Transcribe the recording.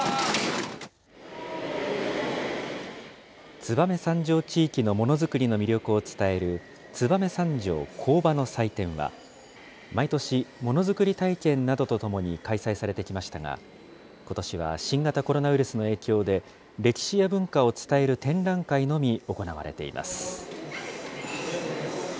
燕三条地域のものづくりの魅力を伝える、燕三条工場の祭典は、毎年、ものづくり体験などとともに開催されてきましたが、ことしは新型コロナウイルスの影響で、歴史や文化を伝える展覧会のみ行われています。